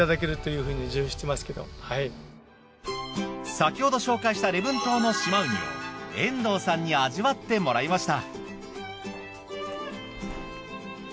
先ほど紹介した礼文島の島ウニを遠藤さんに味わってもらいました。